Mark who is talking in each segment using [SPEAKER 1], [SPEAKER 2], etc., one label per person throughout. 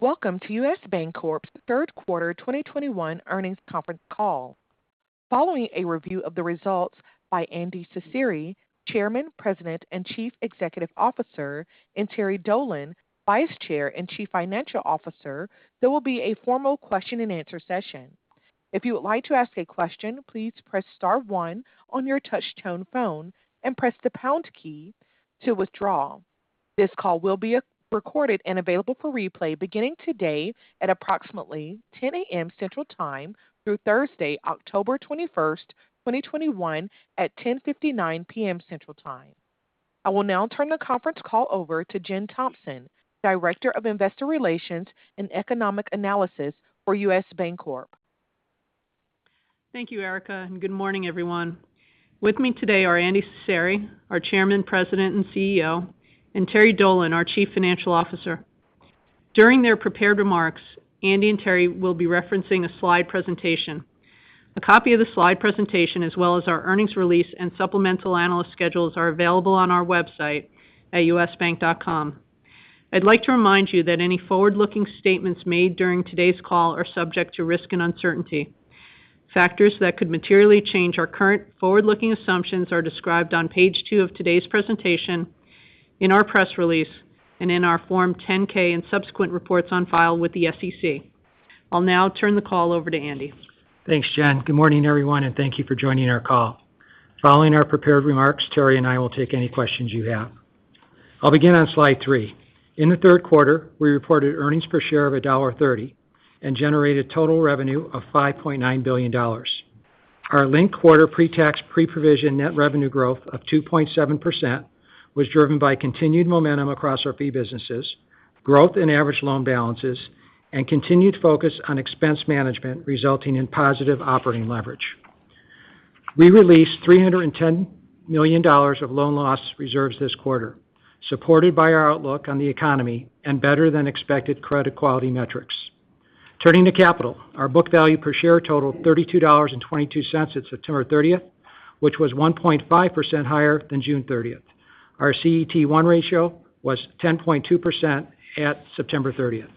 [SPEAKER 1] Welcome to U.S. Bancorp's Third Quarter 2021 Earnings Conference Call. Following a review of the results by Andy Cecere, Chairman, President, and Chief Executive Officer, and Terry Dolan, Vice Chair and Chief Financial Officer, there will be a formal question and answer session. If you would like to ask a question, please press star one on your touch-tone phone and press the pound key to withdraw. This call will be recorded and available for replay beginning today at approximately 10:00 A.M. Central Time through Thursday, October 21st, 2021 at 10:59 P.M. Central Time. I will now turn the conference call over to Jen Thompson, Director of Investor Relations and Economic Analysis for U.S. Bancorp.
[SPEAKER 2] Thank you, Erica, and good morning, everyone. With me today are Andy Cecere, our Chairman, President, and CEO, and Terry Dolan, our Chief Financial Officer. During their prepared remarks, Andy and Terry will be referencing a slide presentation. A copy of the slide presentation, as well as our earnings release and supplemental analyst schedules are available on our website at usbank.com. I'd like to remind you that any forward-looking statements made during today's call are subject to risk and uncertainty. Factors that could materially change our current forward-looking assumptions are described on page two of today's presentation, in our press release, and in our Form 10-K and subsequent reports on file with the SEC. I'll now turn the call over to Andy.
[SPEAKER 3] Thanks, Jen. Good morning, everyone, and thank you for joining our call. Following our prepared remarks, Terry and I will take any questions you have. I'll begin on slide three. In the third quarter, we reported earnings per share of $1.30 and generated total revenue of $5.9 billion. Our linked quarter pre-tax, pre-provision net revenue growth of 2.7% was driven by continued momentum across our fee businesses, growth in average loan balances, and continued focus on expense management resulting in positive operating leverage. We released $310 million of loan loss reserves this quarter, supported by our outlook on the economy and better than expected credit quality metrics. Turning to capital, our book value per share totaled $32.22 at September 30th, which was 1.5% higher than June 30th. Our CET1 ratio was 10.2% at September 30th.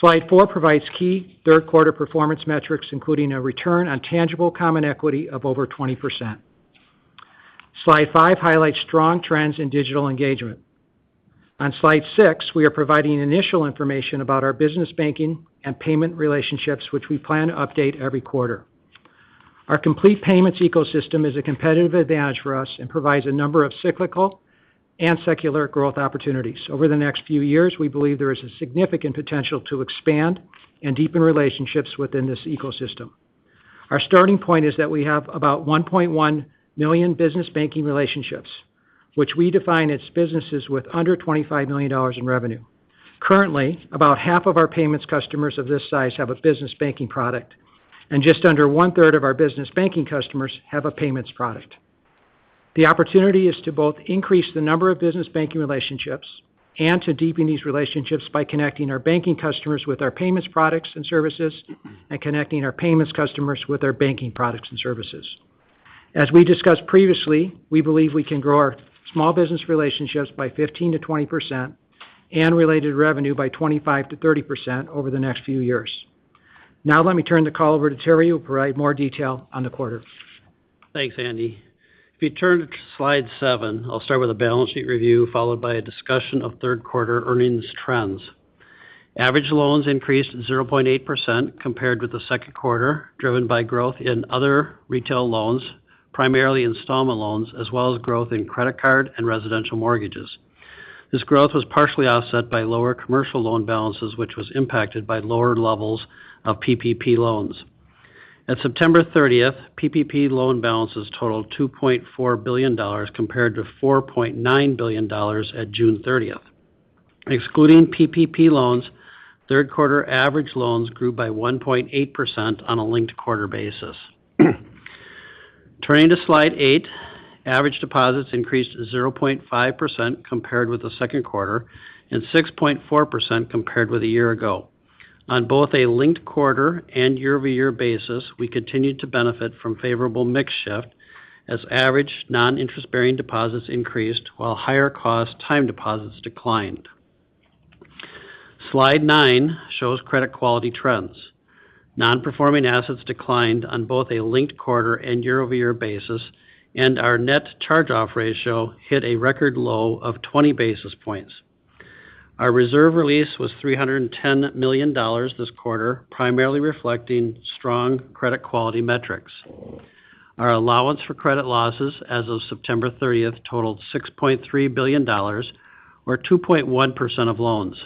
[SPEAKER 3] Slide four provides key third quarter performance metrics, including a return on tangible common equity of over 20%. Slide five highlights strong trends in digital engagement. On slide six, we are providing initial information about our business banking and payment relationships which we plan to update every quarter. Our complete payments ecosystem is a competitive advantage for us and provides a number of cyclical and secular growth opportunities. Over the next few years, we believe there is a significant potential to expand and deepen relationships within this ecosystem. Our starting point is that we have about 1.1 million business banking relationships, which we define as businesses with under $25 million in revenue. Currently, about half of our payments customers of this size have a business banking product, and just under one-third of our business banking customers have a payments product. The opportunity is to both increase the number of business banking relationships and to deepen these relationships by connecting our banking customers with our payments products and services and connecting our payments customers with our banking products and services. As we discussed previously, we believe we can grow our small business relationships by 15%-20% and related revenue by 25%-30% over the next few years. Now let me turn the call over to Terry who will provide more detail on the quarter.
[SPEAKER 4] Thanks, Andy. If you turn to slide seven, I'll start with a balance sheet review followed by a discussion of third quarter earnings trends. Average loans increased 0.8% compared with the second quarter, driven by growth in other retail loans, primarily installment loans, as well as growth in credit card and residential mortgages. This growth was partially offset by lower commercial loan balances, which was impacted by lower levels of PPP loans. At September 30th, PPP loan balances totaled $2.4 billion compared to $4.9 billion at June 30th. Excluding PPP loans, third quarter average loans grew by 1.8% on a linked quarter basis. Turning to slide eight, average deposits increased 0.5% compared with the second quarter and 6.4% compared with a year ago. On both a linked quarter and year-over-year basis, we continued to benefit from favorable mix shift as average non-interest-bearing deposits increased while higher cost time deposits declined. Slide nine shows credit quality trends. Non-performing assets declined on both a linked quarter and year-over-year basis, and our net charge-off ratio hit a record low of 20 basis points. Our reserve release was $310 million this quarter, primarily reflecting strong credit quality metrics. Our allowance for credit losses as of September 30th totaled $6.3 billion or 2.1% of loans.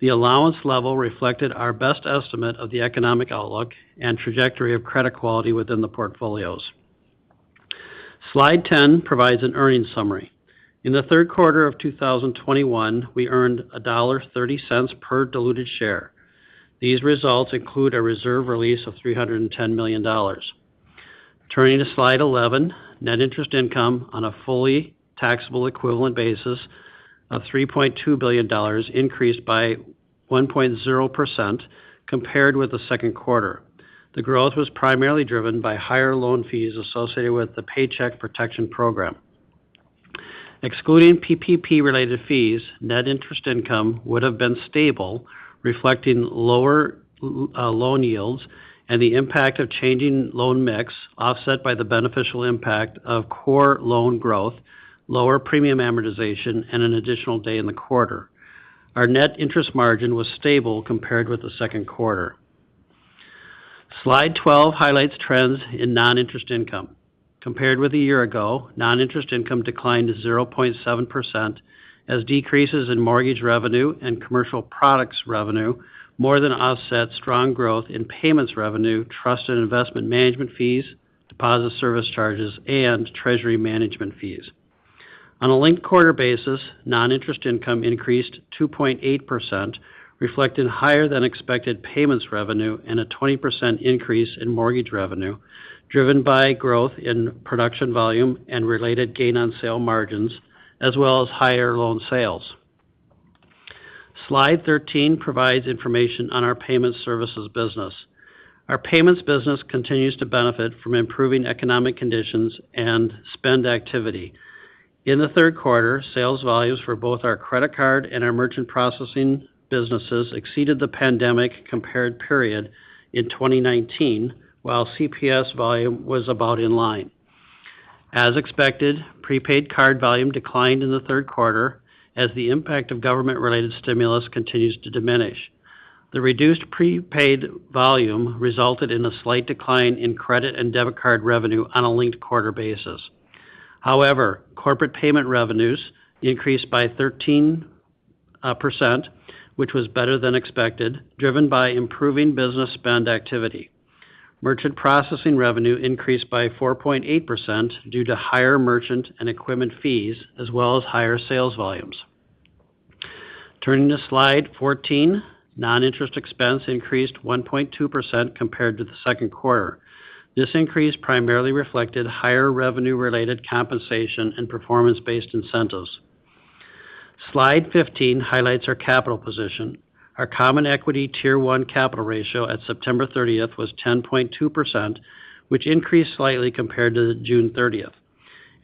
[SPEAKER 4] The allowance level reflected our best estimate of the economic outlook and trajectory of credit quality within the portfolios. Slide 10 provides an earnings summary. In the third quarter of 2021, we earned $1.30 per diluted share. These results include a reserve release of $310 million. Turning to Slide 11, net interest income on a fully taxable equivalent basis of $3.2 billion increased by 1.0% compared with the second quarter. The growth was primarily driven by higher loan fees associated with the Paycheck Protection Program. Excluding PPP-related fees, net interest income would have been stable, reflecting lower loan yields and the impact of changing loan mix, offset by the beneficial impact of core loan growth, lower premium amortization, and an additional day in the quarter. Our net interest margin was stable compared with the second quarter. Slide 12 highlights trends in non-interest income. Compared with a year ago, non-interest income declined to 0.7% as decreases in mortgage revenue and commercial products revenue more than offset strong growth in payments revenue, trust and investment management fees, deposit service charges, and treasury management fees. On a linked-quarter basis, non-interest income increased 2.8%, reflecting higher than expected payments revenue and a 20% increase in mortgage revenue, driven by growth in production volume and related gain on sale margins, as well as higher loan sales. Slide 13 provides information on our payment services business. Our payments business continues to benefit from improving economic conditions and spend activity. In the third quarter, sales volumes for both our credit card and our merchant processing businesses exceeded the pandemic compared period in 2019, while CPS volume was about in line. As expected, prepaid card volume declined in the third quarter as the impact of government-related stimulus continues to diminish. The reduced prepaid volume resulted in a slight decline in credit and debit card revenue on a linked-quarter basis. However, corporate payment revenues increased by 13%, which was better than expected, driven by improving business spend activity. Merchant processing revenue increased by 4.8% due to higher merchant and equipment fees, as well as higher sales volumes. Turning to slide 14, non-interest expense increased 1.2% compared to the second quarter. This increase primarily reflected higher revenue-related compensation and performance-based incentives. Slide 15 highlights our capital position. Our common equity Tier 1 capital ratio at September 30th was 10.2%, which increased slightly compared to June 30th.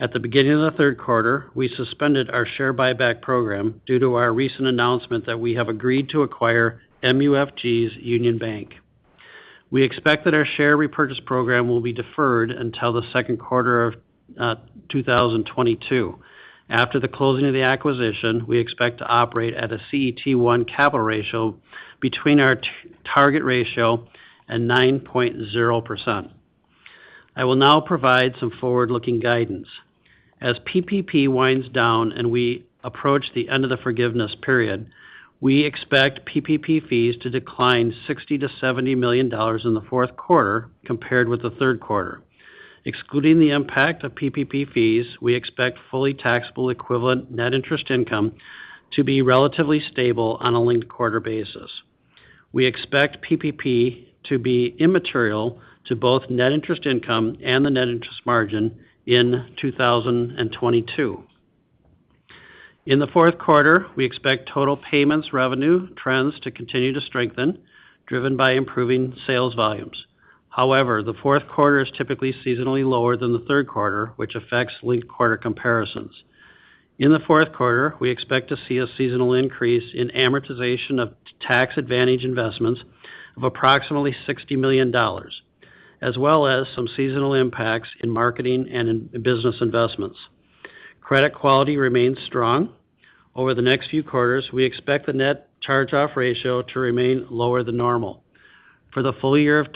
[SPEAKER 4] At the beginning of the third quarter, we suspended our share buyback program due to our recent announcement that we have agreed to acquire MUFG Union Bank. We expect that our share repurchase program will be deferred until the second quarter of 2022. After the closing of the acquisition, we expect to operate at a CET1 capital ratio between our target ratio and 9.0%. I will now provide some forward-looking guidance. As PPP winds down and we approach the end of the forgiveness period, we expect PPP fees to decline $60 million-$70 million in the fourth quarter compared with the third quarter. Excluding the impact of PPP fees, we expect fully taxable equivalent net interest income to be relatively stable on a linked-quarter basis. We expect PPP to be immaterial to both net interest income and the net interest margin in 2022. In the fourth quarter, we expect total payments revenue trends to continue to strengthen, driven by improving sales volumes. The fourth quarter is typically seasonally lower than the third quarter, which affects linked-quarter comparisons. In the fourth quarter, we expect to see a seasonal increase in amortization of tax advantage investments of approximately $60 million, as well as some seasonal impacts in marketing and in business investments. Credit quality remains strong. Over the next few quarters, we expect the net charge-off ratio to remain lower than normal. For the full year of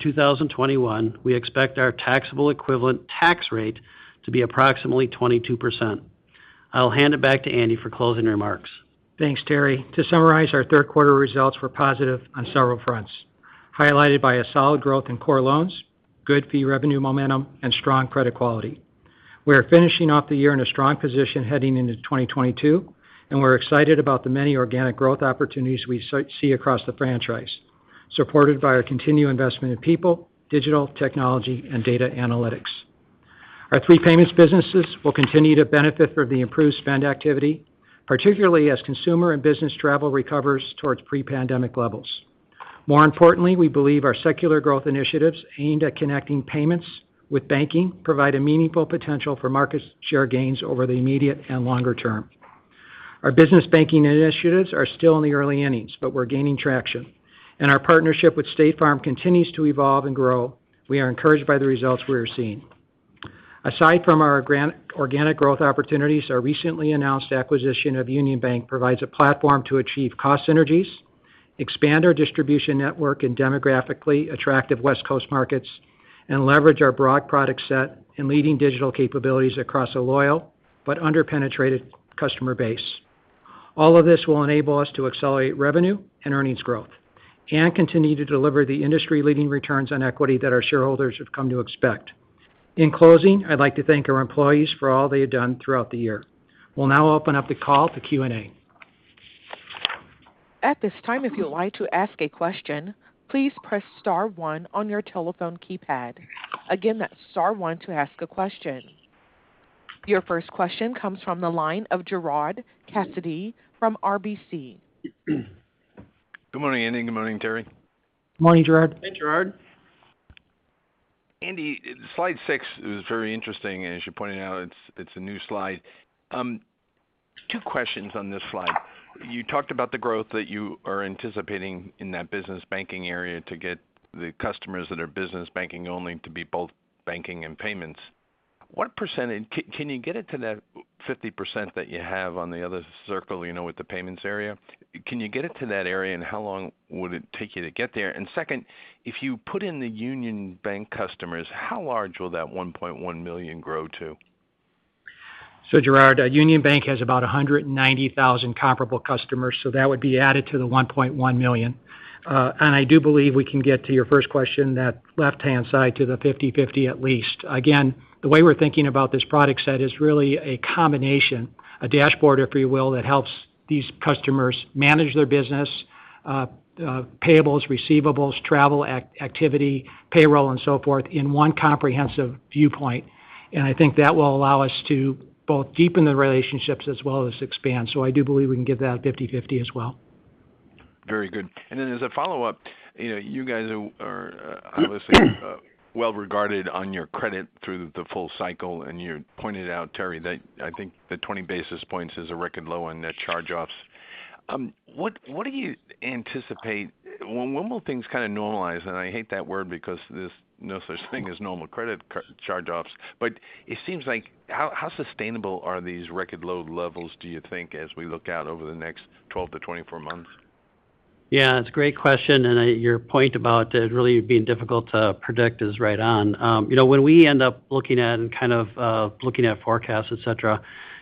[SPEAKER 4] 2021, we expect our taxable equivalent tax rate to be approximately 22%. I'll hand it back to Andy for closing remarks.
[SPEAKER 3] Thanks, Terry. To summarize, our third quarter results were positive on several fronts, highlighted by a solid growth in core loans, good fee revenue momentum, and strong credit quality. We're finishing of the year and a strong position heading in the 2022. We're excited about the many organic growth opportunities we see across the franchise, supported by our continued investment in people, digital technology, and data analytics. Our three payments businesses will continue to benefit from the improved spend activity, particularly as consumer and business travel recovers towards pre-pandemic levels. More importantly, we believe our secular growth initiatives aimed at connecting payments with banking provide a meaningful potential for market share gains over the immediate and longer term. Our business banking initiatives are still in the early innings, but we're gaining traction. Our partnership with State Farm continues to evolve and grow. We are encouraged by the results we are seeing. Aside from our organic growth opportunities, our recently announced acquisition of Union Bank provides a platform to achieve cost synergies, expand our distribution network in demographically attractive West Coast markets, and leverage our broad product set and leading digital capabilities across a loyal but under-penetrated customer base. All of this will enable us to accelerate revenue and earnings growth and continue to deliver the industry-leading returns on equity that our shareholders have come to expect. In closing, I'd like to thank our employees for all they have done throughout the year. We'll now open up the call to Q&A.
[SPEAKER 1] At this time, if you'd like to ask a question, please press star one on your telephone keypad. Again, that's star one to ask a question. Your first question comes from the line of Gerard Cassidy from RBC.
[SPEAKER 5] Good morning, Andy. Good morning, Terry.
[SPEAKER 3] Morning, Gerard.
[SPEAKER 4] Hey, Gerard.
[SPEAKER 5] Andy, slide six is very interesting. As you pointed out, it's a new slide. two questions on this slide. You talked about the growth that you are anticipating in that business banking area to get the customers that are business banking only to be both banking and payments. Can you get it to that 50% that you have on the other circle, with the payments area? Can you get it to that area, and how long would it take you to get there? Second, if you put in the Union Bank customers, how large will that 1.1 million grow to?
[SPEAKER 3] Gerard, Union Bank has about 190,000 comparable customers. That would be added to the 1.1 million. I do believe we can get to your first question, that left-hand side to the 50/50 at least. Again, the way we're thinking about this product set is really a combination, a dashboard, if you will, that helps these customers manage their business, payables, receivables, travel activity, payroll, and so forth in one comprehensive viewpoint. I think that will allow us to both deepen the relationships as well as expand. I do believe we can get that 50/50 as well.
[SPEAKER 5] Very good. As a follow-up, you guys are obviously well-regarded on your credit through the full cycle, and you pointed out, Terry, that I think the 20 basis points is a record low on net charge-offs. When will things kind of normalize? I hate that word because there's no such thing as normal credit charge-offs. How sustainable are these record low levels, do you think, as we look out over the next 12-24 months?
[SPEAKER 4] Yeah. It's a great question, and your point about it really being difficult to predict is right on. When we end up looking at forecasts, et cetera,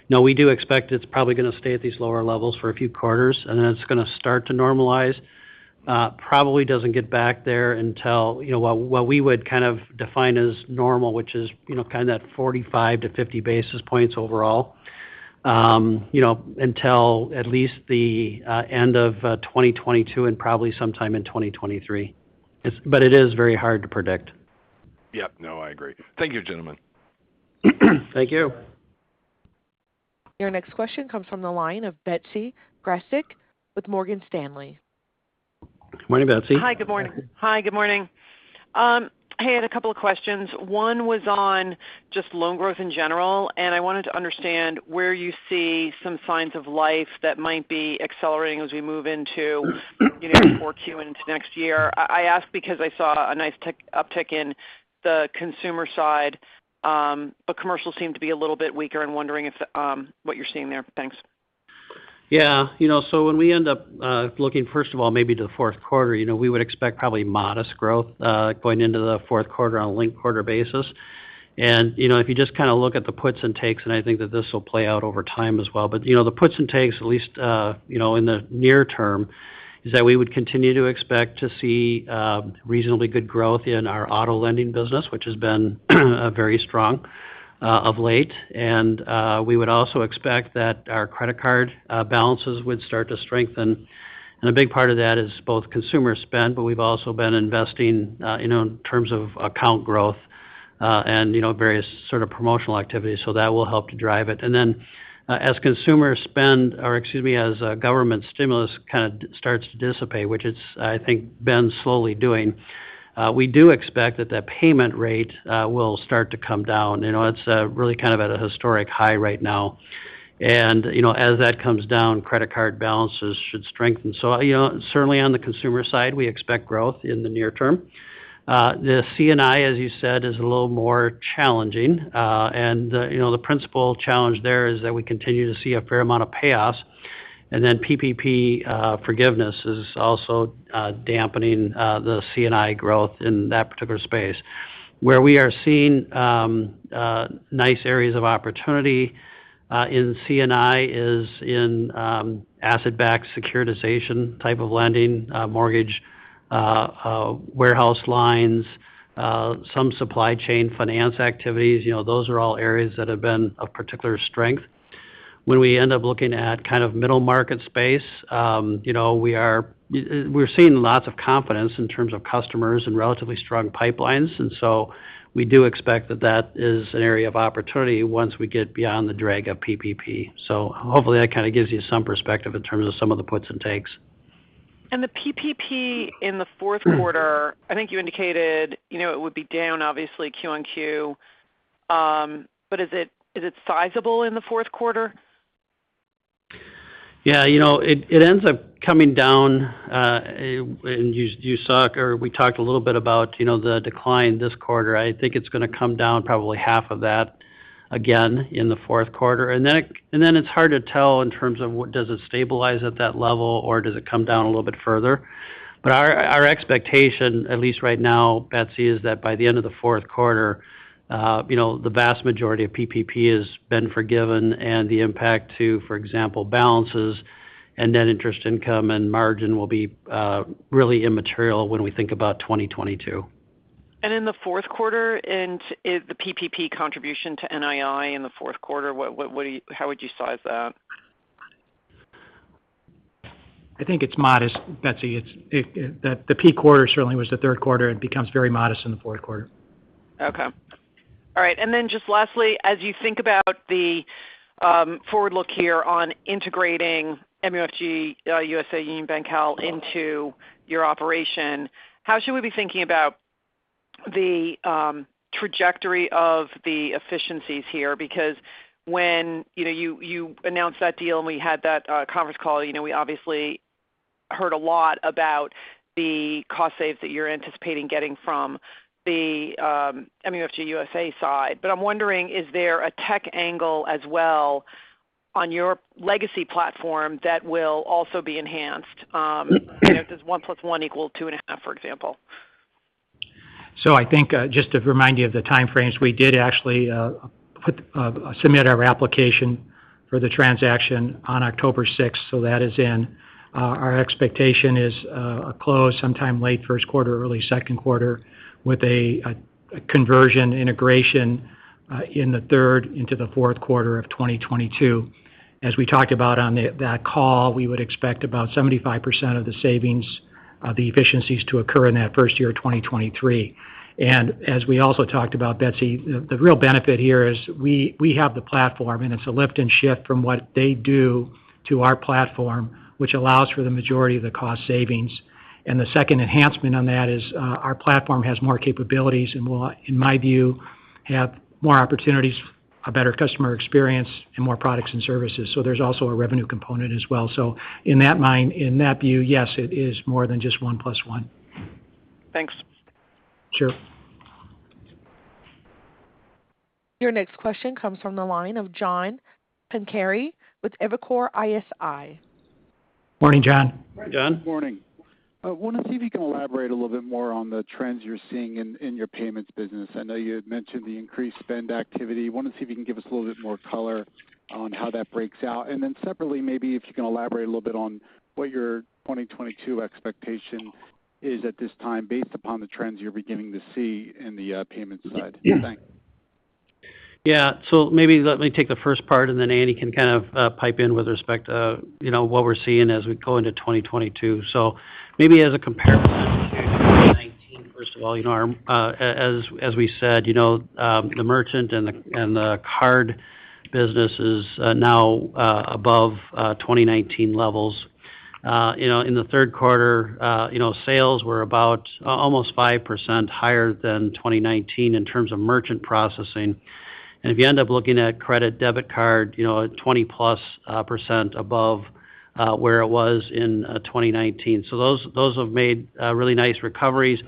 [SPEAKER 4] we do expect it's probably going to stay at these lower levels for a few quarters, and then it's going to start to normalize. Probably doesn't get back there until what we would kind of define as normal, which is kind of that 45 basis points-50 basis points overall, until at least the end of 2022, and probably sometime in 2023. It is very hard to predict.
[SPEAKER 5] No, I agree. Thank you, gentlemen.
[SPEAKER 4] Thank you.
[SPEAKER 1] Your next question comes from the line of Betsy Graseck with Morgan Stanley.
[SPEAKER 4] Morning, Betsy.
[SPEAKER 6] Hi. Good morning. I had a couple of questions. one was on just loan growth in general, and I wanted to understand where you see some signs of life that might be accelerating as we move into 4Q into next year. I ask because I saw a nice uptick in the consumer side, but commercial seemed to be a little bit weaker. I'm wondering what you're seeing there. Thanks.
[SPEAKER 4] Yeah. When we end up looking, first of all, maybe to the fourth quarter, we would expect probably modest growth going into the fourth quarter on a linked-quarter basis. If you just kind of look at the puts and takes, and I think that this will play out over time as well. The puts and takes, at least in the near term, is that we would continue to expect to see reasonably good growth in our auto lending business, which has been very strong of late. We would also expect that our credit card balances would start to strengthen. A big part of that is both consumer spend, but we've also been investing in terms of account growth and various sort of promotional activities. That will help to drive it. Then as government stimulus kind of starts to dissipate, which it's, I think, been slowly doing, we do expect that that payment rate will start to come down. It's really kind of at a historic high right now. As that comes down, credit card balances should strengthen. Certainly on the consumer side, we expect growth in the near term. The C&I, as you said, is a little more challenging. The principal challenge there is that we continue to see a fair amount of payoffs, then PPP forgiveness is also dampening the C&I growth in that particular space. Where we are seeing nice areas of opportunity in C&I is in asset-backed securitization type of lending, mortgage warehouse lines, some supply chain finance activities. Those are all areas that have been of particular strength. When we end up looking at kind of middle market space, we're seeing lots of confidence in terms of customers and relatively strong pipelines. We do expect that that is an area of opportunity once we get beyond the drag of PPP. Hopefully that kind of gives you some perspective in terms of some of the puts and takes.
[SPEAKER 6] The PPP in the fourth quarter, I think you indicated it would be down obviously Q-on-Q. Is it sizable in the fourth quarter?
[SPEAKER 4] It ends up coming down, we talked a little bit about the decline this quarter. I think it's going to come down probably half of that again in the fourth quarter. It's hard to tell in terms of does it stabilize at that level or does it come down a little bit further. Our expectation, at least right now, Betsy, is that by the end of the fourth quarter the vast majority of PPP has been forgiven and the impact to, for example, balances and net interest income and margin will be really immaterial when we think about 2022.
[SPEAKER 6] In the fourth quarter, the PPP contribution to NII in the fourth quarter, how would you size that?
[SPEAKER 3] I think it's modest, Betsy. The peak quarter certainly was the third quarter. It becomes very modest in the fourth quarter.
[SPEAKER 6] Okay. All right, just lastly, as you think about the forward look here on integrating MUFG USA UnionBanCal into your operation, how should we be thinking about the trajectory of the efficiencies here? When you announced that deal and we had that conference call, we obviously heard a lot about the cost saves that you're anticipating getting from the MUFG USA side. I'm wondering, is there a tech angle as well on your legacy platform that will also be enhanced? Does one plus one equal two and a half, for example?
[SPEAKER 3] I think just to remind you of the time frames, we did actually submit our application for the transaction on October 6th, so that is in. Our expectation is a close sometime late first quarter, early second quarter with a conversion integration in the third into the fourth quarter of 2022. As we talked about on that call, we would expect about 75% of the savings of the efficiencies to occur in that first year of 2023. As we also talked about, Betsy, the real benefit here is we have the platform, and it's a lift and shift from what they do to our platform, which allows for the majority of the cost savings. The second enhancement on that is our platform has more capabilities and will, in my view, have more opportunities, a better customer experience, and more products and services. There's also a revenue component as well. In that view, yes, it is more than just 1+1.
[SPEAKER 6] Thanks.
[SPEAKER 3] Sure.
[SPEAKER 1] Your next question comes from the line of John Pancari with Evercore ISI.
[SPEAKER 3] Morning, John.
[SPEAKER 4] John. Good morning.
[SPEAKER 7] I want to see if you can elaborate a little bit more on the trends you're seeing in your payments business. I know you had mentioned the increased spend activity. I want to see if you can give us a little bit more color on how that breaks out. Separately, maybe if you can elaborate a little bit on what your 2022 expectation is at this time based upon the trends you're beginning to see in the payments side. Thanks.
[SPEAKER 4] Maybe let me take the first part, and then Andy can kind of pipe in with respect to what we're seeing as we go into 2022. Maybe as a comparison to 2019, first of all, as we said, the merchant and the card business is now above 2019 levels. In the third quarter, sales were about almost 5% higher than 2019 in terms of merchant processing. If you end up looking at credit, debit card, 20%+ above where it was in 2019. Those have made really nice recoveries.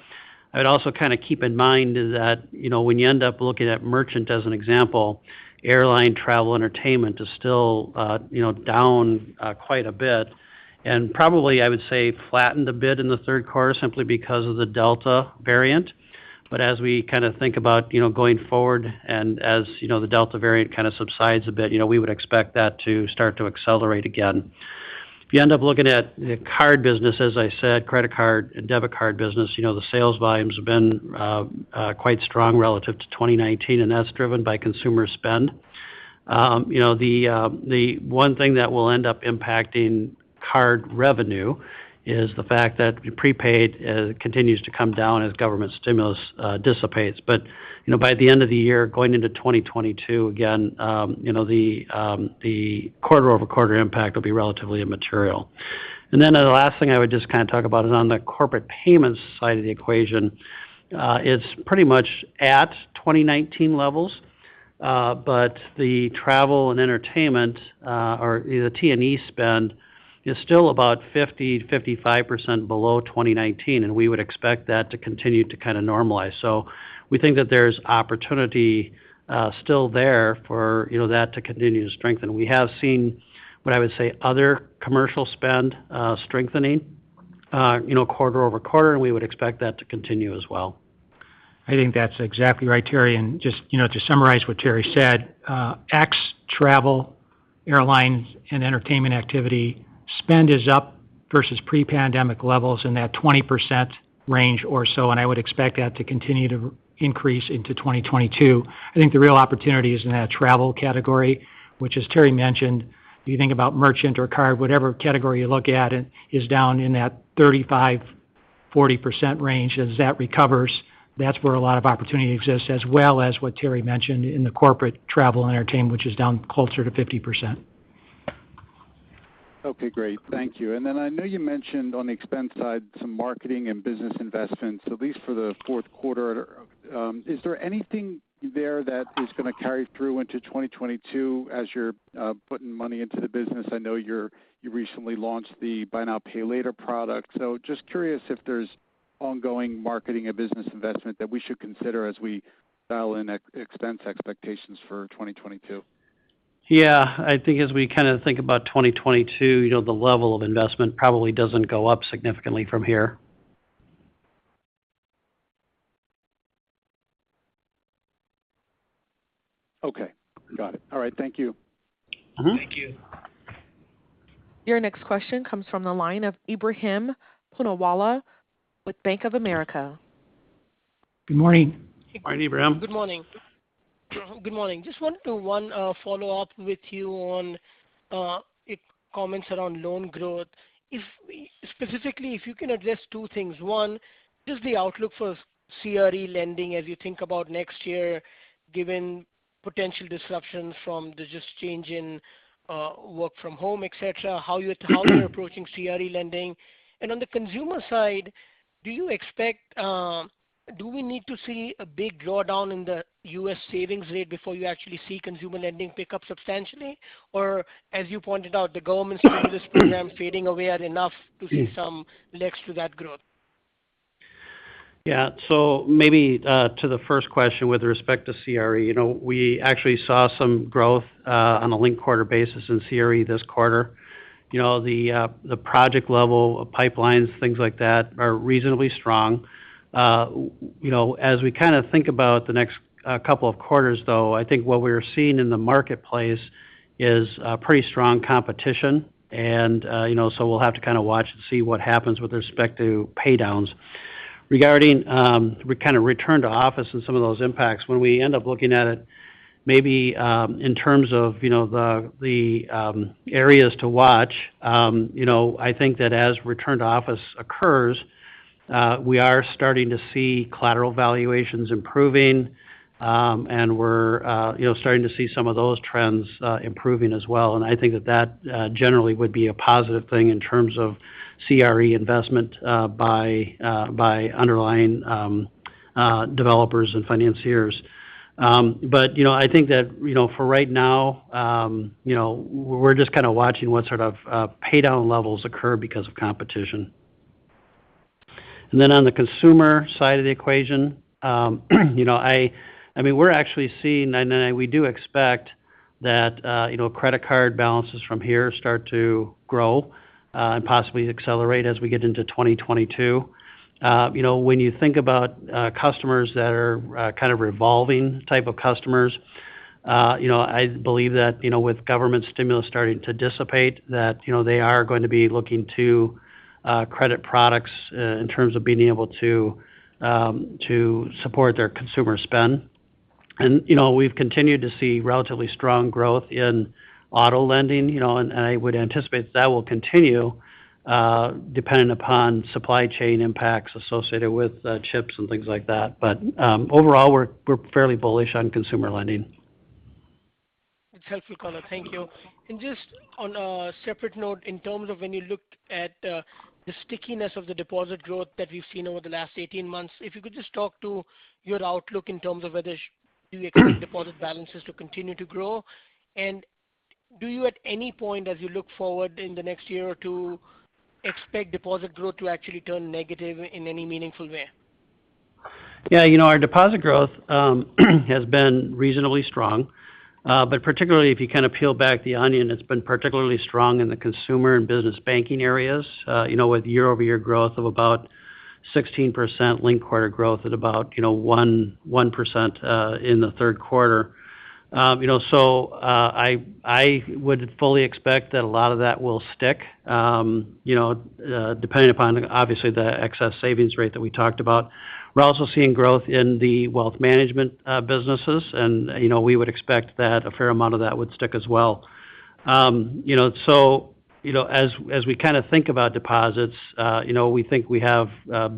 [SPEAKER 4] I'd also kind of keep in mind is that when you end up looking at merchant as an example, airline travel, entertainment is still down quite a bit. Probably, I would say flattened a bit in the third quarter simply because of the Delta variant. As we kind of think about going forward and as the Delta variant kind of subsides a bit, we would expect that to start to accelerate again. If you end up looking at the card business, as I said, credit card and debit card business, the sales volumes have been quite strong relative to 2019, and that's driven by consumer spend. The one thing that will end up impacting card revenue is the fact that prepaid continues to come down as government stimulus dissipates. By the end of the year, going into 2022, again, the quarter-over-quarter impact will be relatively immaterial. The last thing I would just kind of talk about is on the corporate payments side of the equation. It's pretty much at 2019 levels. The travel and entertainment or the T&E spend is still about 50%-55% below 2019, and we would expect that to continue to kind of normalize. We think that there's opportunity still there for that to continue to strengthen. We have seen what I would say other commercial spend strengthening quarter-over-quarter, and we would expect that to continue as well.
[SPEAKER 3] I think that's exactly right, Terry. Just to summarize what Terry said, ex-travel, airlines, and entertainment activity spend is up versus pre-pandemic levels in that 20% range or so, and I would expect that to continue to increase into 2022. I think the real opportunity is in that travel category, which as Terry mentioned, if you think about merchant or card, whatever category you look at, it is down in that 35%-40% range. As that recovers, that's where a lot of opportunity exists as well as what Terry mentioned in the corporate travel and entertainment, which is down closer to 50%.
[SPEAKER 7] Okay, great. Thank you. I know you mentioned on the expense side some marketing and business investments, at least for the fourth quarter. Is there anything there that is going to carry through into 2022 as you're putting money into the business? I know you recently launched the buy now, pay later product. Just curious if there's ongoing marketing or business investment that we should consider as we dial in expense expectations for 2022.
[SPEAKER 4] Yeah. I think as we kind of think about 2022, the level of investment probably doesn't go up significantly from here.
[SPEAKER 7] Okay. Got it. All right. Thank you.
[SPEAKER 4] Thank you.
[SPEAKER 1] Your next question comes from the line of Ebrahim Poonawala with Bank of America.
[SPEAKER 4] Good morning.
[SPEAKER 3] Morning, Ebrahim.
[SPEAKER 8] Good morning. Just wanted to follow up with you on comments around loan growth. Specifically, if you can address two things. One, just the outlook for CRE lending as you think about next year, given potential disruptions from the change in work from home, et cetera, how you're approaching CRE lending. On the consumer side, do we need to see a big drawdown in the U.S. savings rate before you actually see consumer lending pick up substantially? As you pointed out, the government stimulus program fading away at enough to see some legs to that growth?
[SPEAKER 4] Maybe to the first question with respect to CRE. We actually saw some growth on a linked-quarter basis in CRE this quarter. The project level pipelines, things like that, are reasonably strong. We kind of think about the next couple of quarters, though, I think what we're seeing in the marketplace is pretty strong competition. We'll have to kind of watch and see what happens with respect to paydowns. Regarding kind of return to office and some of those impacts, when we end up looking at it, maybe in terms of the areas to watch, I think that as return to office occurs, we are starting to see collateral valuations improving. We're starting to see some of those trends improving as well. I think that generally would be a positive thing in terms of CRE investment by underlying developers and financiers. I think that for right now, we're just kind of watching what sort of paydown levels occur because of competition. On the consumer side of the equation, we're actually seeing, and we do expect that credit card balances from here start to grow and possibly accelerate as we get into 2022. When you think about customers that are kind of revolving type of customers, I believe that with government stimulus starting to dissipate, that they are going to be looking to credit products in terms of being able to support their consumer spend. We've continued to see relatively strong growth in auto lending, and I would anticipate that that will continue depending upon supply chain impacts associated with chips and things like that. Overall, we're fairly bullish on consumer lending.
[SPEAKER 8] It's helpful, color. Thank you. Just on a separate note, in terms of when you looked at the stickiness of the deposit growth that we've seen over the last 18 months, if you could just talk to your outlook in terms of whether you expect deposit balances to continue to grow. Do you, at any point as you look forward in the next year or two, expect deposit growth to actually turn negative in any meaningful way?
[SPEAKER 4] Yeah. Our deposit growth has been reasonably strong. Particularly if you kind of peel back the onion, it's been particularly strong in the consumer and business banking areas. With year-over-year growth of about 16%, linked-quarter growth at about 1% in the third quarter. I would fully expect that a lot of that will stick, depending upon obviously the excess savings rate that we talked about. We're also seeing growth in the wealth management businesses, and we would expect that a fair amount of that would stick as well. As we kind of think about deposits, we think we have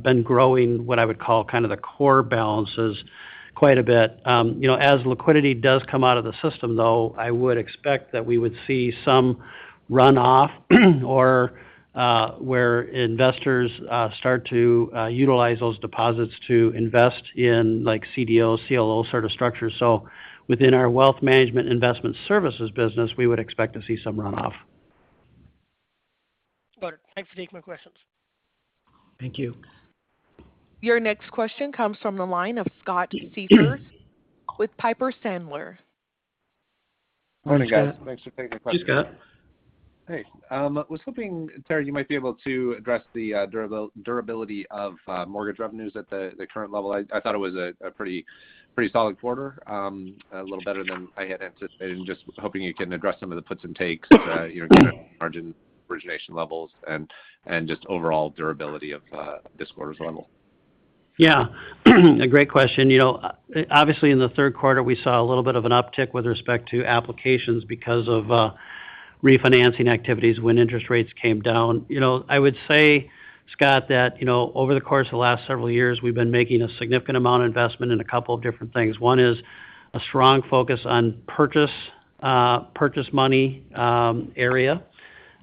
[SPEAKER 4] been growing what I would call kind of the core balances quite a bit. As liquidity does come out of the system, though, I would expect that we would see some runoff or where investors start to utilize those deposits to invest in CDO, CLO sort of structures. Within our wealth management investment services business, we would expect to see some runoff.
[SPEAKER 8] Got it. Thanks for taking my questions.
[SPEAKER 4] Thank you.
[SPEAKER 1] Your next question comes from the line of Scott Siefers with Piper Sandler.
[SPEAKER 3] Morning, Scott.
[SPEAKER 9] Morning, guys. Thanks for taking my question.
[SPEAKER 4] Hey, Scott.
[SPEAKER 9] Hey. I was hoping, Terry, you might be able to address the durability of mortgage revenues at the current level. I thought it was a pretty solid quarter. A little better than I had anticipated, and just was hoping you can address some of the puts and takes- kind of margin origination levels and just overall durability of this quarter's level.
[SPEAKER 4] A great question. Obviously, in the third quarter, we saw a little bit of an uptick with respect to applications because of refinancing activities when interest rates came down. I would say, Scott, that over the course of the last several years, we've been making a significant amount of investment in a couple of different things. One is a strong focus on purchase money area.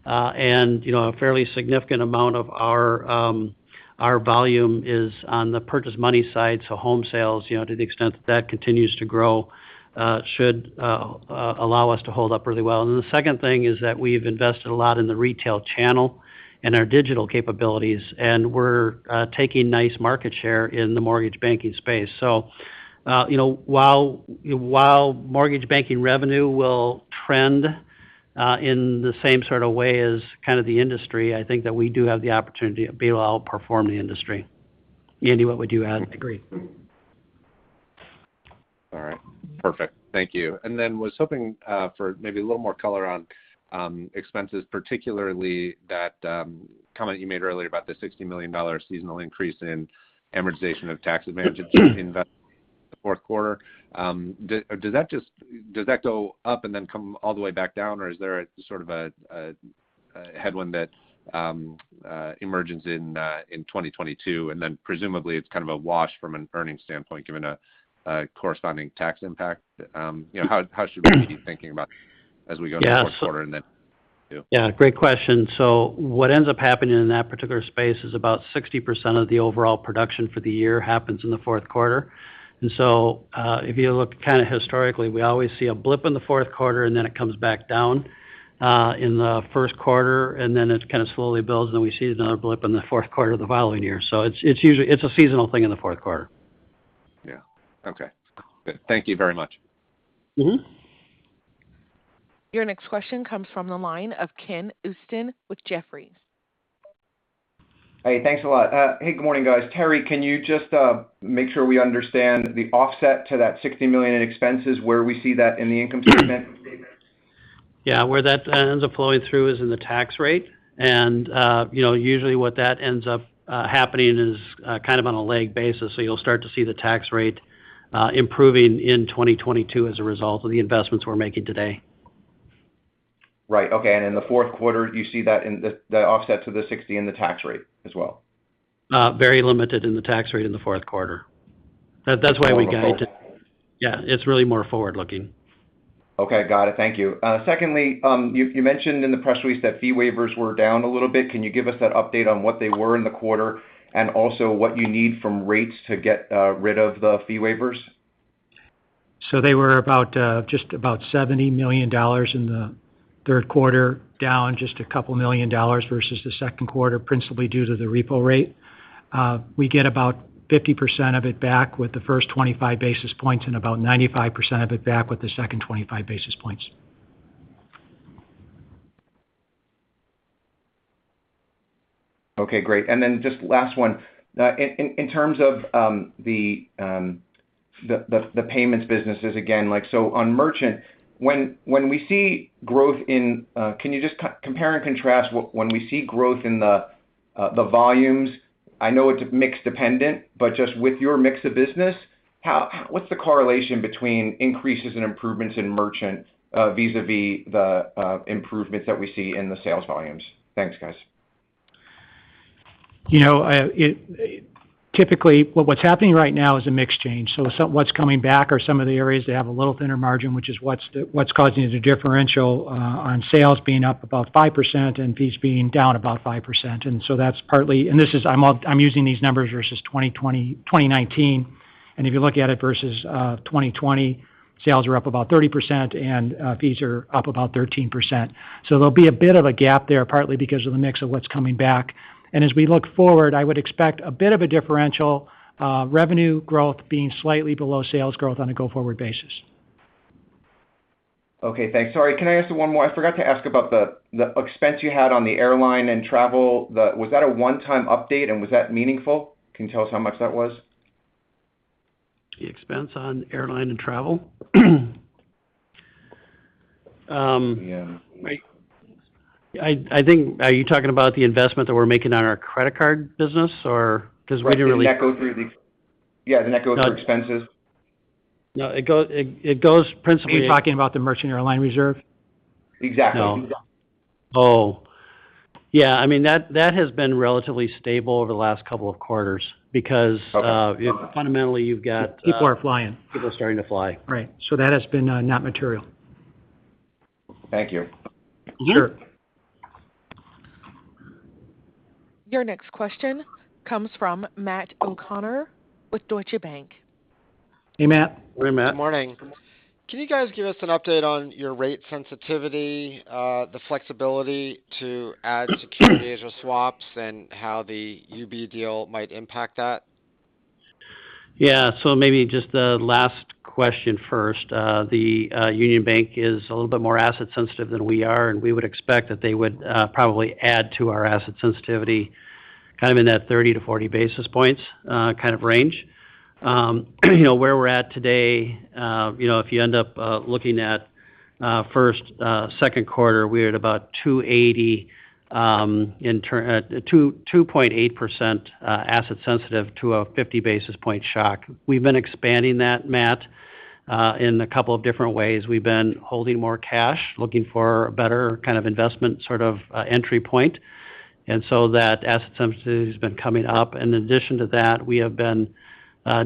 [SPEAKER 4] A fairly significant amount of our volume is on the purchase money side. Home sales, to the extent that that continues to grow, should allow us to hold up really well. Then the second thing is that we've invested a lot in the retail channel and our digital capabilities, and we're taking nice market share in the mortgage banking space. While mortgage banking revenue will trend in the same sort of way as kind of the industry, I think that we do have the opportunity to be able to outperform the industry. Andy, what would you add? Agree.
[SPEAKER 9] Perfect. Thank you. Was hoping for maybe a little more color on expenses, particularly that comment you made earlier about the $60 million seasonal increase in amortization of tax advantages in the fourth quarter. Does that go up and then come all the way back down, or is there a sort of a headwind that emerges in 2022, and then presumably it's kind of a wash from an earnings standpoint, given a corresponding tax impact? How should be thinking about as we go into the fourth quarter
[SPEAKER 3] Yeah. Great question. What ends up happening in that particular space is about 60% of the overall production for the year happens in the fourth quarter. If you look kind of historically, we always see a blip in the fourth quarter, and then it comes back down in the first quarter, and then it kind of slowly builds, and then we see another blip in the fourth quarter the following year. It's a seasonal thing in the fourth quarter.
[SPEAKER 9] Yeah. Okay. Good. Thank you very much.
[SPEAKER 1] Your next question comes from the line of Ken Usdin with Jefferies.
[SPEAKER 10] Hey, thanks a lot. Hey, good morning, guys. Terry, can you just make sure we understand the offset to that $60 million in expenses, where we see that in the income statement?
[SPEAKER 4] Yeah. Where that ends up flowing through is in the tax rate. Usually what that ends up happening is kind of on a lag basis. You'll start to see the tax rate improving in 2022 as a result of the investments we're making today.
[SPEAKER 10] Right. Okay. In the fourth quarter, you see that in the offset to the 60 in the tax rate as well?
[SPEAKER 4] Very limited in the tax rate in the fourth quarter. That's why we guide. It's really more forward-looking.
[SPEAKER 10] Okay. Got it. Thank you. Secondly, you mentioned in the press release that fee waivers were down a little bit. Can you give us that update on what they were in the quarter, and also what you need from rates to get rid of the fee waivers?
[SPEAKER 3] They were just about $70 million in the third quarter, down just $2 million versus the second quarter, principally due to the repo rate. We get about 50% of it back with the first 25 basis points and about 95% of it back with the second 25 basis points.
[SPEAKER 10] Okay, great. Just last one. In terms of the payments businesses, again, so on merchant, can you just compare and contrast when we see growth in the volumes? I know it's mix dependent, but just with your mix of business, what's the correlation between increases and improvements in merchant vis-a-vis the improvements that we see in the sales volumes? Thanks, guys.
[SPEAKER 3] Typically, what's happening right now is a mix change. What's coming back are some of the areas that have a little thinner margin, which is what's causing the differential on sales being up about 5% and fees being down about 5%. I'm using these numbers versus 2019, and if you look at it versus 2020, sales are up about 30% and fees are up about 13%. There'll be a bit of a gap there, partly because of the mix of what's coming back. As we look forward, I would expect a bit of a differential revenue growth being slightly below sales growth on a go-forward basis.
[SPEAKER 10] Okay. Thanks. Can I ask one more? I forgot to ask about the expense you had on the airline and travel. Was that a one-time update and was that meaningful? Can you tell us how much that was?
[SPEAKER 3] The expense on airline and travel?
[SPEAKER 10] Yeah.
[SPEAKER 4] Are you talking about the investment that we're making on our credit card business or?
[SPEAKER 10] That goes through. Yeah. That goes through expenses.
[SPEAKER 4] No. It goes principally
[SPEAKER 3] talking about the merchant airline reserve?
[SPEAKER 10] Exactly.
[SPEAKER 4] No. Oh. Yeah. That has been relatively stable over the last couple of quarters.
[SPEAKER 10] Okay
[SPEAKER 4] fundamentally, you've got-
[SPEAKER 3] People are flying.
[SPEAKER 4] People are starting to fly.
[SPEAKER 3] Right. That has been not material.
[SPEAKER 10] Thank you.
[SPEAKER 4] Sure.
[SPEAKER 1] Your next question comes from Matt O'Connor with Deutsche Bank.
[SPEAKER 4] Hey, Matt.
[SPEAKER 3] Hey, Matt.
[SPEAKER 11] Morning. Can you guys give us an update on your rate sensitivity, the flexibility to add securities and swaps and how the UB deal might impact that?
[SPEAKER 4] Yeah. Maybe just the last question first. The Union Bank is a little bit more asset sensitive than we are, and we would expect that they would probably add to our asset sensitivity kind of in that 30-40 basis points kind of range. Where we're at today, if you end up looking at first, second quarter, we're at about 2.8% asset sensitive to a 50 basis point shock. We've been expanding that, Matt, in a couple of different ways. We've been holding more cash, looking for a better kind of investment sort of entry point. That asset sensitivity has been coming up. In addition to that, we have been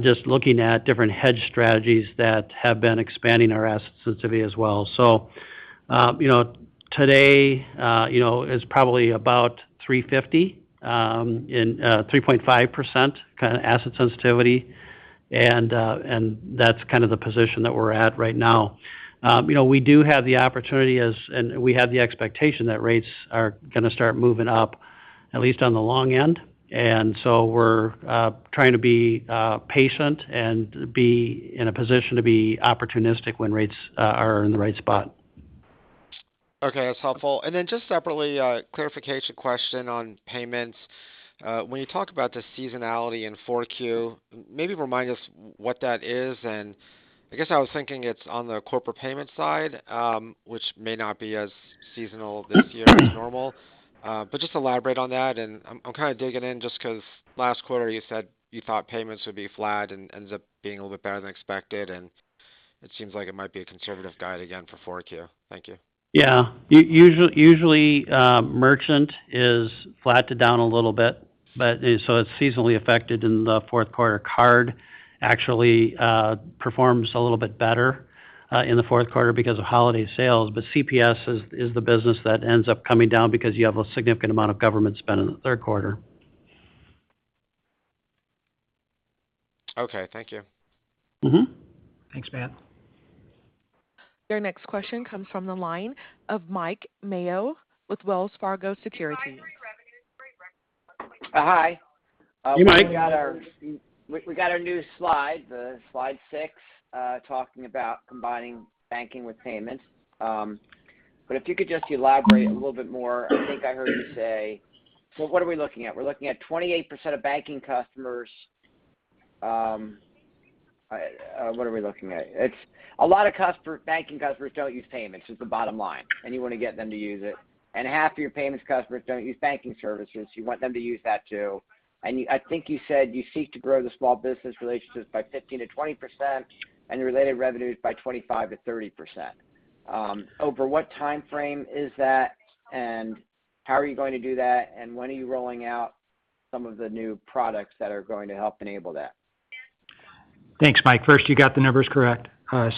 [SPEAKER 4] just looking at different hedge strategies that have been expanding our asset sensitivity as well. Today, is probably about 350 in 3.5% kind of asset sensitivity, and that's kind of the position that we're at right now. We do have the opportunity, and we have the expectation that rates are going to start moving up, at least on the long end. We're trying to be patient and be in a position to be opportunistic when rates are in the right spot.
[SPEAKER 11] Okay, that's helpful. Just separately, a clarification question on payments. When you talk about the seasonality in 4Q, maybe remind us what that is. I guess I was thinking it's on the corporate payments side, which may not be as seasonal this year as normal. Just elaborate on that. I'm kind of digging in just because last quarter you said you thought payments would be flat and ended up being a little bit better than expected, and it seems like it might be a conservative guide again for 4Q. Thank you.
[SPEAKER 4] Yeah. Usually merchant is flat to down a little bit, so it's seasonally affected in the fourth quarter. Card actually performs a little bit better in the fourth quarter because of holiday sales. CPS is the business that ends up coming down because you have a significant amount of government spend in the third quarter.
[SPEAKER 11] Okay. Thank you.
[SPEAKER 3] Thanks, Matt.
[SPEAKER 1] Your next question comes from the line of Mike Mayo with Wells Fargo Securities.
[SPEAKER 12] Hi.
[SPEAKER 4] Hey, Mike.
[SPEAKER 12] We got our new slide, the slide six, talking about combining banking with payments. If you could just elaborate a little bit more. I think I heard you say. What are we looking at? We're looking at 28% of banking customers. A lot of banking customers don't use payments, is the bottom line, and you want to get them to use it. Half of your payments customers don't use banking services. You want them to use that, too. I think you said you seek to grow the small business relationships by 15%-20% and the related revenues by 25%-30%. Over what timeframe is that, and how are you going to do that, and when are you rolling out some of the new products that are going to help enable that?
[SPEAKER 3] You got the numbers correct. This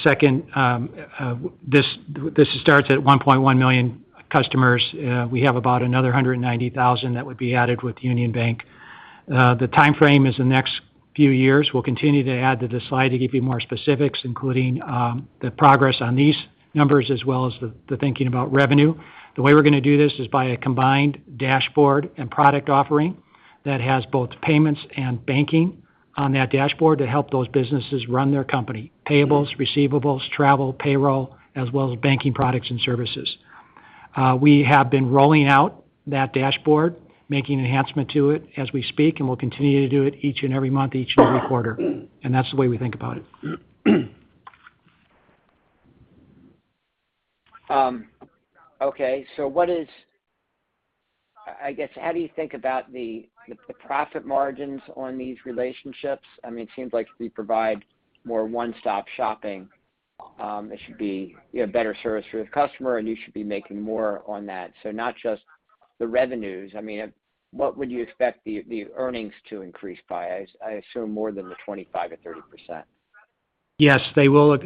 [SPEAKER 3] starts at 1.1 million customers. We have about another 190,000 that would be added with Union Bank. The timeframe is the next few years. We'll continue to add to the slide to give you more specifics, including the progress on these numbers, as well as the thinking about revenue. The way we're going to do this is by a combined dashboard and product offering that has both payments and banking on that dashboard to help those businesses run their company. Payables, receivables, travel, payroll, as well as banking products and services. We have been rolling out that dashboard, making enhancement to it as we speak, we'll continue to do it each and every month, each and every quarter. That's the way we think about it.
[SPEAKER 12] Okay. I guess, how do you think about the profit margins on these relationships? It seems like if you provide more one-stop shopping, it should be better service for the customer, and you should be making more on that. Not just the revenues. What would you expect the earnings to increase by? I assume more than the 25%-30%.
[SPEAKER 3] Yes, they will.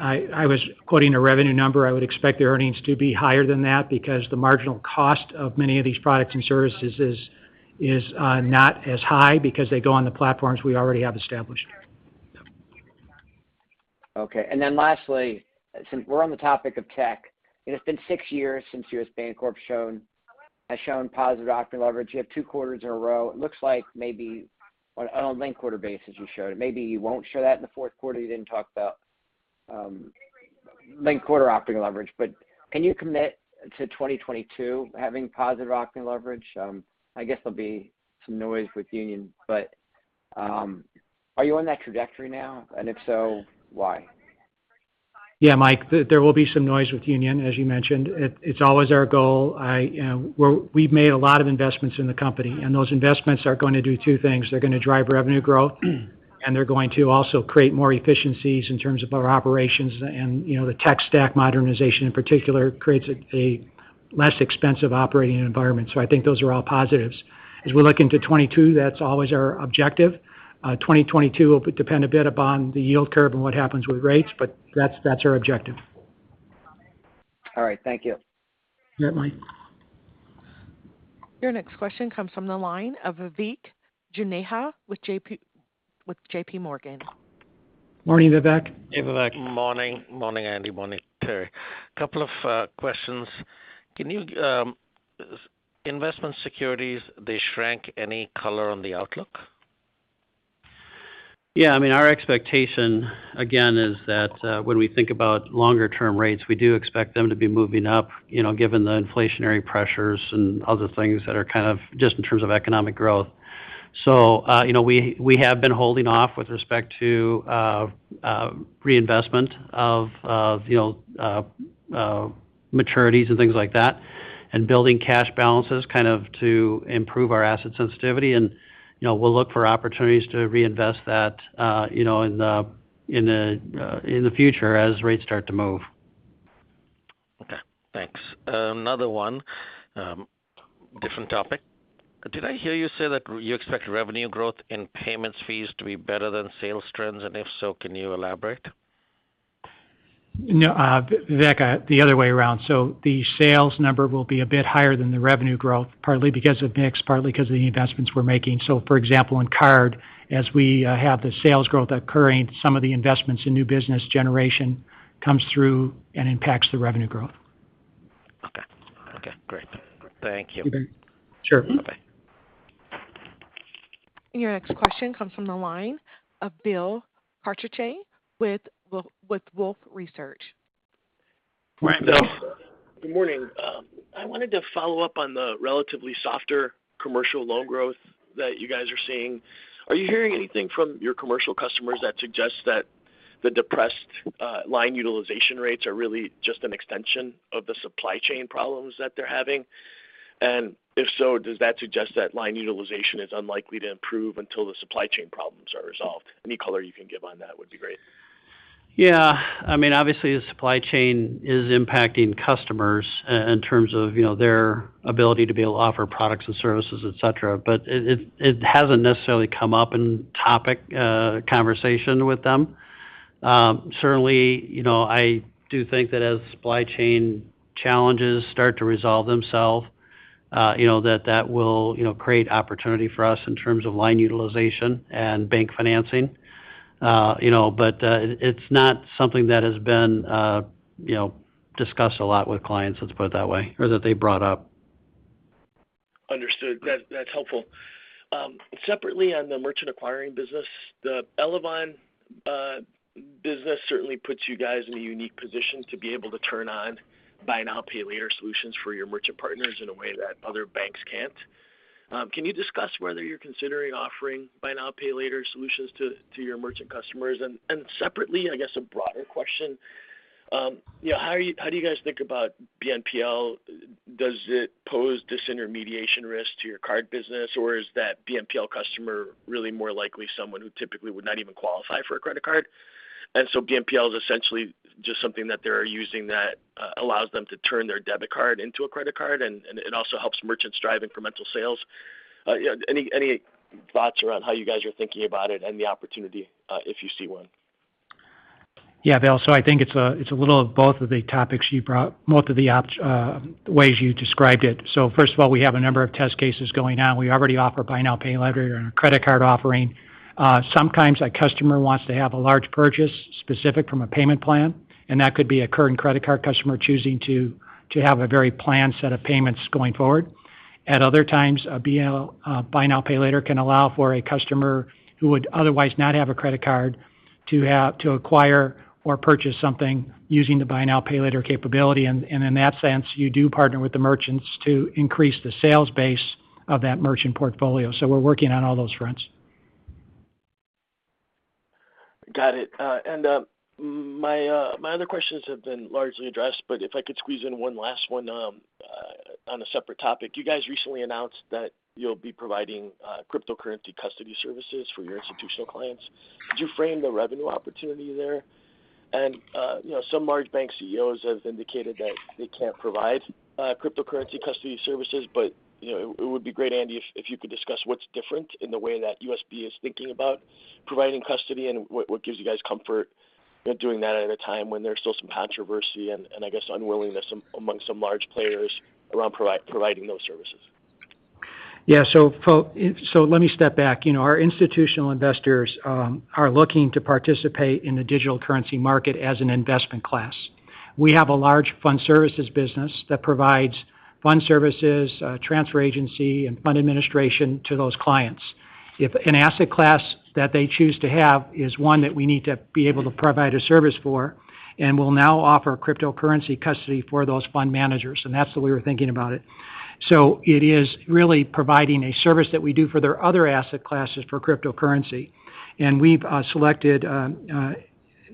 [SPEAKER 3] I was quoting a revenue number. I would expect the earnings to be higher than that because the marginal cost of many of these products and services is not as high because they go on the platforms we already have established.
[SPEAKER 12] Okay. Then lastly, since we're on the topic of tech, it's been six years since U.S. Bancorp has shown positive operating leverage. You have two quarters in a row. It looks like maybe on a linked-quarter basis you showed. Maybe you won't show that in the fourth quarter. You didn't talk about linked-quarter operating leverage. Can you commit to 2022 having positive operating leverage? I guess there'll be some noise with Union, are you on that trajectory now? If so, why?
[SPEAKER 3] Yeah, Mike. There will be some noise with Union, as you mentioned. It's always our goal. We've made a lot of investments in the company, and those investments are going to do two things. They're going to drive revenue growth, and they're going to also create more efficiencies in terms of our operations. The tech stack modernization in particular creates a less expensive operating environment. I think those are all positives. As we look into 2022, that's always our objective. 2022 will depend a bit upon the yield curve and what happens with rates, but that's our objective.
[SPEAKER 12] All right. Thank you.
[SPEAKER 3] You bet, Mike.
[SPEAKER 1] Your next question comes from the line of Vivek Juneja with JPMorgan.
[SPEAKER 3] Morning, Vivek.
[SPEAKER 4] Hey, Vivek.
[SPEAKER 13] Morning. Morning, Andy. Morning, Terry. Couple of questions. Investment securities, they shrank. Any color on the outlook?
[SPEAKER 4] Yeah. Our expectation, again, is that when we think about longer-term rates, we do expect them to be moving up given the inflationary pressures and other things that are kind of just in terms of economic growth. We have been holding off with respect to reinvestment of maturities and things like that, and building cash balances kind of to improve our asset sensitivity. We'll look for opportunities to reinvest that in the future as rates start to move.
[SPEAKER 13] Okay, thanks. Another one, different topic. Did I hear you say that you expect revenue growth in payments fees to be better than sales trends? If so, can you elaborate?
[SPEAKER 3] Vivek, the other way around. The sales number will be a bit higher than the revenue growth, partly because of mix, partly because of the investments we're making. For example, in Card, as we have the sales growth occurring, some of the investments in new business generation comes through and impacts the revenue growth.
[SPEAKER 13] Okay. Great. Thank you.
[SPEAKER 3] Okay. Sure.
[SPEAKER 13] Bye-bye.
[SPEAKER 1] Your next question comes from the line of Bill Carcache with Wolfe Research.
[SPEAKER 3] Hi, Bill.
[SPEAKER 14] Good morning. I wanted to follow up on the relatively softer commercial loan growth that you guys are seeing. Are you hearing anything from your commercial customers that suggests that the depressed line utilization rates are really just an extension of the supply chain problems that they're having? If so, does that suggest that line utilization is unlikely to improve until the supply chain problems are resolved? Any color you can give on that would be great.
[SPEAKER 4] Yeah. Obviously, the supply chain is impacting customers in terms of their ability to be able to offer products and services, et cetera. It hasn't necessarily come up in topic conversation with them. Certainly, I do think that as supply chain challenges start to resolve themselves, that will create opportunity for us in terms of line utilization and bank financing. It's not something that has been discussed a lot with clients, let's put it that way, or that they brought up.
[SPEAKER 14] Understood. That's helpful. Separately, on the merchant acquiring business, the Elavon business certainly puts you guys in a unique position to be able to turn on buy now, pay later solutions for your merchant partners in a way that other banks can't. Can you discuss whether you're considering offering buy now, pay later solutions to your merchant customers? Separately, I guess a broader question, how do you guys think about BNPL? Does it pose disintermediation risk to your card business, or is that BNPL customer really more likely someone who typically would not even qualify for a credit card? BNPL is essentially just something that they're using that allows them to turn their debit card into a credit card, and it also helps merchants drive incremental sales. Any thoughts around how you guys are thinking about it and the opportunity, if you see one?
[SPEAKER 3] Yeah, Bill. I think it's a little of both of the ways you described it. First of all, we have a number of test cases going on. We already offer buy now, pay later in our credit card offering. Sometimes a customer wants to have a large purchase specific from a payment plan, that could be a current credit card customer choosing to have a very planned set of payments going forward. At other times, a buy now, pay later can allow for a customer who would otherwise not have a credit card to acquire or purchase something using the buy now, pay later capability. In that sense, you do partner with the merchants to increase the sales base of that merchant portfolio. We're working on all those fronts.
[SPEAKER 14] Got it. My other questions have been largely addressed, but if I could squeeze in one last one on a separate topic. You guys recently announced that you'll be providing cryptocurrency custody services for your institutional clients. Could you frame the revenue opportunity there? Some large bank CEOs have indicated that they can't provide cryptocurrency custody services, but it would be great, Andy, if you could discuss what's different in the way that USB is thinking about providing custody and what gives you guys comfort doing that at a time when there's still some controversy and I guess unwillingness amongst some large players around providing those services.
[SPEAKER 3] Yeah. Let me step back. Our institutional investors are looking to participate in the digital currency market as an investment class. We have a large fund services business that provides fund services, transfer agency, and fund administration to those clients. If an asset class that they choose to have is one that we need to be able to provide a service for, we'll now offer cryptocurrency custody for those fund managers. That's the way we're thinking about it. It is really providing a service that we do for their other asset classes for cryptocurrency. We've selected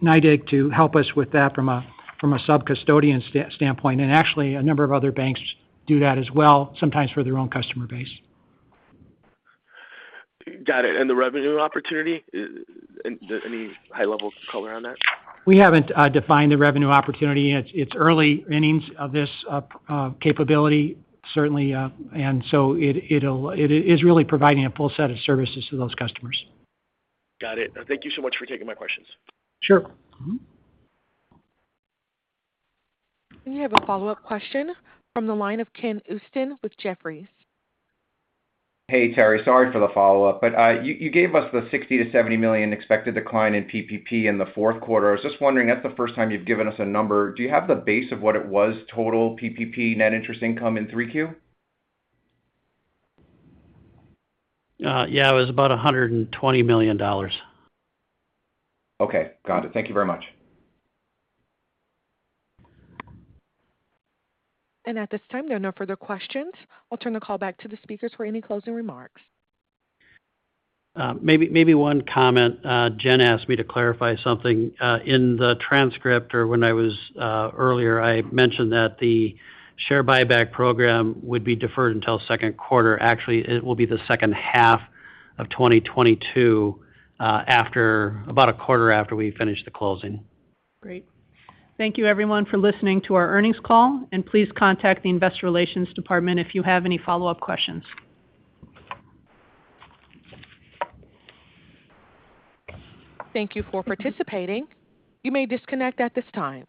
[SPEAKER 3] NYDIG to help us with that from a sub-custodian standpoint. Actually, a number of other banks do that as well, sometimes for their own customer base.
[SPEAKER 14] Got it. The revenue opportunity? Any high-level color on that?
[SPEAKER 3] We haven't defined the revenue opportunity. It's early innings of this capability, certainly. It is really providing a full set of services to those customers.
[SPEAKER 14] Got it. Thank you so much for taking my questions.
[SPEAKER 3] Sure.
[SPEAKER 1] We have a follow-up question from the line of Ken Usdin with Jefferies.
[SPEAKER 10] Hey, Terry. Sorry for the follow-up, but you gave us the $60 million-$70 million expected decline in PPP in the fourth quarter. I was just wondering. That's the first time you've given us a number. Do you have the base of what it was total PPP net interest income in Q3?
[SPEAKER 4] Yeah, it was about $120 million.
[SPEAKER 10] Okay. Got it. Thank you very much.
[SPEAKER 1] At this time, there are no further questions. I'll turn the call back to the speakers for any closing remarks.
[SPEAKER 4] Maybe one comment. Jen asked me to clarify something. In the transcript or when I was earlier, I mentioned that the share buyback program would be deferred until second quarter. Actually, it will be the second half of 2022, about a quarter after we finish the closing.
[SPEAKER 2] Great. Thank you everyone for listening to our earnings call, and please contact the investor relations department if you have any follow-up questions.
[SPEAKER 1] Thank you for participating. You may disconnect at this time.